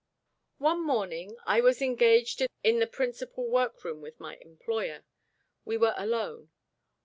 ONE morning I was engaged in the principal workroom with my employer. We were alone.